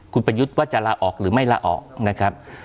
คุณประยุทธ์ว่าจะลาออกหรือไม่ลาออกนะครับ